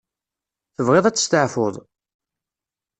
Tebɣiḍ ad testeεfuḍ?